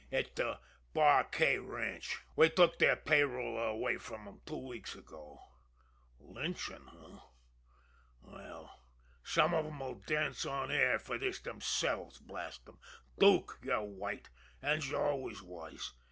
"It's de Bar K Ranch we took their payroll away from 'em two weeks ago. Lynchin', eh? Well, some of 'em 'll dance on air fer this themselves, blast 'em! Dook, yer white an' you always was.